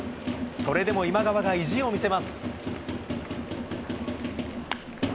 それでも今川が意地を見せます。